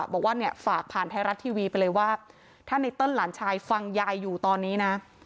บอกว่าเนี่ยฝากผ่านไทยรัฐทีวีไปเลยว่าถ้าไนเติ้ลหลานชายฟังยายอยู่ตอนนี้นะ